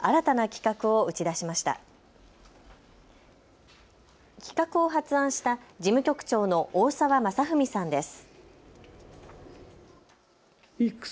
企画を発案した事務局長の大沢昌文さんです。